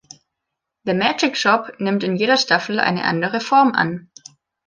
Der Magic-Shop nimmt in jeder Staffel eine andere Form an.